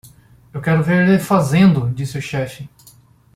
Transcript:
"Eu quero ver ele fazendo?", disse o chefe.